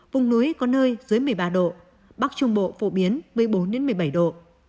vùng núi có nơi dưới một mươi ba độ bắc trung bộ phổ biến một mươi bốn một mươi bảy độ